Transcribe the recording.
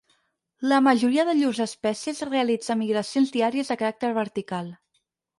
La majoria de llurs espècies realitza migracions diàries de caràcter vertical.